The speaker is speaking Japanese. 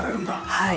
はい。